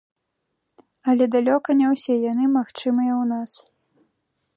Але далёка не ўсе яны магчымыя ў нас.